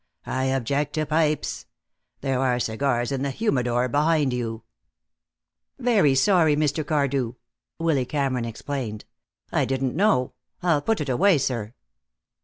I object to pipes. There are cigars in the humidor behind you." "Very sorry, Mr. Cardew," Willy Cameron explained. "I didn't know. I'll put it away, sir."